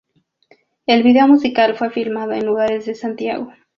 El video musical fue filmado en lugares de Santiago.